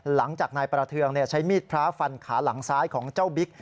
หลังจากนายประเทืองใช้มีดพระฟันขาหลังซ้ายของเจ้าบิ๊ก